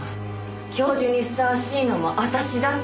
教授にふさわしいのも私だって。